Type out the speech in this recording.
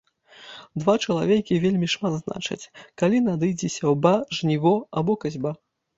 Два чалавекі вельмі шмат значыць, калі надыдзе сяўба, жніво або касьба.